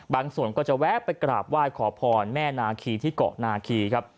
ส่วนก็จะแวะไปกราบไหว้ขอพรแม่นาคีที่เกาะนาคีครับ